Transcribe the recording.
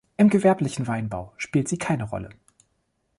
Im gewerblichen Weinbau spielt sie keine Rolle.